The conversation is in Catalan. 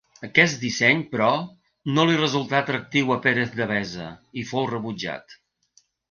Aquest disseny però, no li resultà atractiu a Pérez Devesa i fou rebutjat.